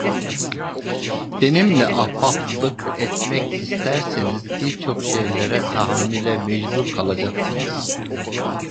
Benimle ahbaplık etmek isterseniz birçok şeylere tahammüle mecbur kalacaksınız…